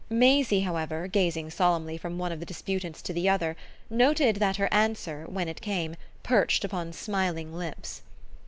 Maisie, however, gazing solemnly from one of the disputants to the other, noted that her answer, when it came, perched upon smiling lips.